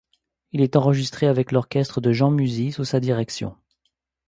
Il est enregistré avec l'orchestre de Jean Musy sous sa direction.